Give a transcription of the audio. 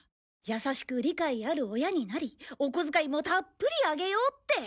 優しく理解ある親になりお小遣いもたっぷりあげようって。